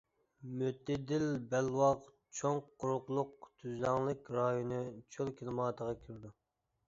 مۆتىدىل بەلباغ چوڭ قۇرۇقلۇق تۈزلەڭلىك رايونى چۆل كىلىماتىغا كىرىدۇ.